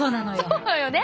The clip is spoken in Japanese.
そうよね。